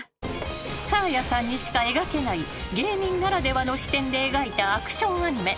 ［サーヤさんにしか描けない芸人ならではの視点で描いたアクションアニメ］